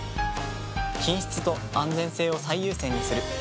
品質と安全性を最優先にする。